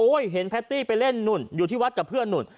เห็นแพตตี้ไปเล่นนู่นอยู่ที่วัดกับเพื่อนนู่น